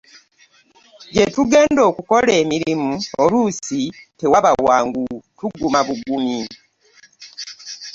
Gye tugenda okukola emirimu oluusi tewaba wangu tuguma bugumi.